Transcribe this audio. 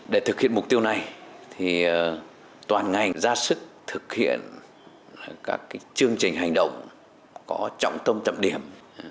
để thực hiện mục tiêu này toàn ngành ra sức thực hiện các chương trình hành động có trọng tâm trọng điểm